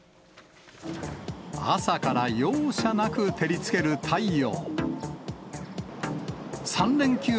朝から容赦なく照りつける太陽。